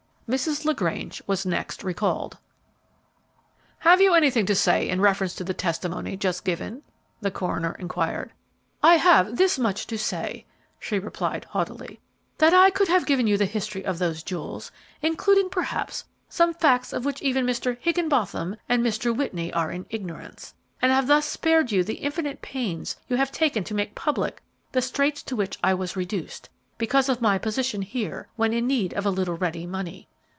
Mrs. LaGrange was next recalled. "Have you anything to say in reference to the testimony just given?" the coroner inquired. "I have this much to say," she replied, haughtily, "that I could have given you the history of those jewels, including, perhaps, some facts of which even Mr. Higgenbotham and Mr. Whitney are in ignorance, and thus have spared you the infinite pains you have taken to make public the straits to which I was reduced, because of my position here, when in need of a little ready money.